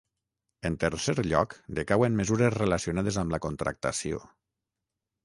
En tercer lloc, decauen mesures relacionades amb la contractació.